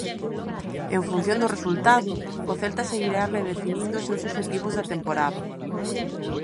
En función do resultado, o Celta seguirá redefinindo os seus obxectivos da temporada.